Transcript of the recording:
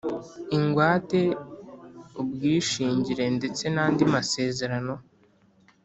Ingwate ubwishingire ndetse n andi masezerano